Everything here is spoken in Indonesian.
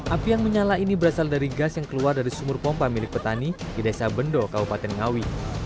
api yang menyala ini berasal dari gas yang keluar dari sumur pompa milik petani di desa bendo kabupaten ngawi